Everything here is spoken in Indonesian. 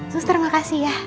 suster makasih ya